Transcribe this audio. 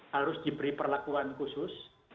harus diberi perlakuan khusus